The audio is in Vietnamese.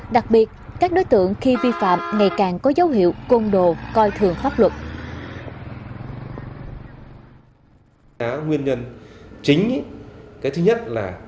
đặc biệt các đối tượng khi vi phạm ngày càng có dấu hiệu côn đồ coi thường pháp luật